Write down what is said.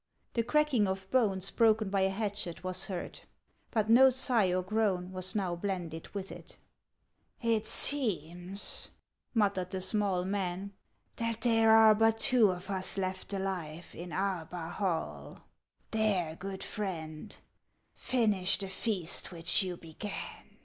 The cracking of bones broken by a hatchet was heard ; but no sigh or groan was now blended with it. " It seems," muttered the small man, " that there are 282 HANS OF ICKLAXD. but two of us left alive in Arbar hall. There, good Friend, finish the feast which you began.''